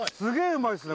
うまいっすね